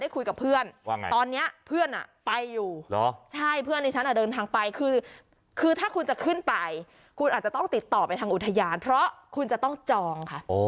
คุยกับเพื่อนว่าไงตอนนี้เพื่อนไปอยู่ใช่เพื่อนที่ฉันเดินทางไปคือถ้าคุณจะขึ้นไปคุณอาจจะต้องติดต่อไปทางอุทยานเพราะคุณจะต้องจองค่ะ